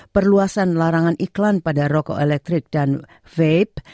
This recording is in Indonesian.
perluasan larangan iklan pada rokok elektrik dan vape